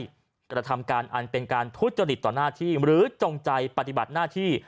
ไม่ได้กลุ่มทั้งการอันเป็นการทุจจริตต่อหน้าที่หรือจงใจปฏิบัติหน้าที่